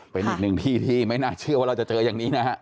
เป็นอีกหนึ่งที่ที่ไม่น่าเชื่อว่าเราจะเจออย่างนี้นะฮะ